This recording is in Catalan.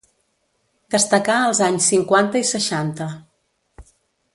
Destacà als anys cinquanta i seixanta.